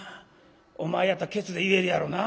お前やったらケツで言えるやろな。